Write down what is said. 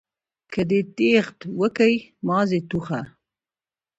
که دي دېغت وکئ ماضي ټوخه.